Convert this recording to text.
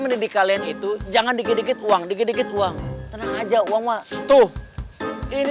mendidik kalian itu jangan dikit dikit uang dikit dikit uang tenang aja uang masuk tuh ini